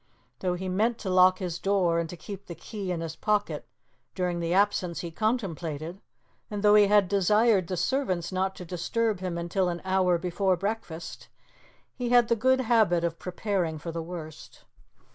Though he meant to lock his door and to keep the key in his pocket during the absence he contemplated, and though he had desired the servants not to disturb him until an hour before breakfast, he had the good habit of preparing for the worst.